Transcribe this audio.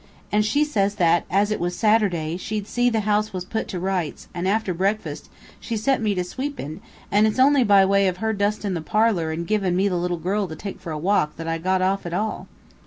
And she says that, as it was Saturday, she'd see that the house was all put to rights; and after breakfast she set me to sweepin'; and it's only by way of her dustin' the parlor and givin' me the little girl to take for a walk that I got off at all."